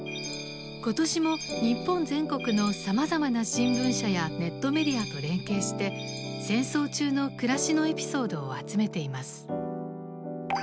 今年も日本全国のさまざまな新聞社やネットメディアと連携して戦争中の暮らしのエピソードを集めています。